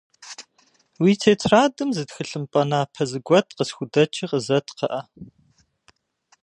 Уи тетрадым зы тхылъымпӏэ напэ зэгуэт къысхудэчи къызэт, кхъыӏэ.